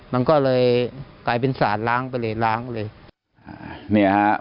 มันก็เลยกลายเป็นสารล้างดุเลย